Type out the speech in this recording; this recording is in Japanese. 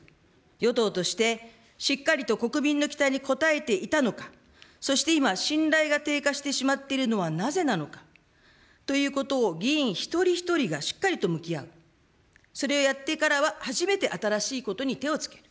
与党として、しっかりと国民の期待に応えていたのか、そして今、信頼が低下してしまっているのはなぜなのかということを議員一人一人がしっかりと向き合う、それをやってから初めて、新しいことに手をつける。